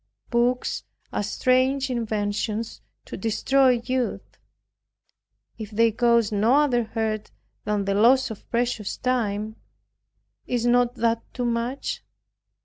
Books are strange inventions to destroy youth. If they caused no other hurt than the loss of precious time, is not that too much?